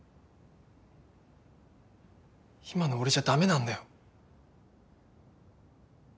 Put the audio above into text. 今の俺じゃ駄目なんだよ。